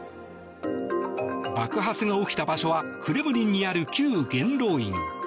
爆発が起きた場所はクレムリンにある旧元老院。